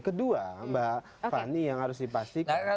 kedua mbak fani yang harus dipastikan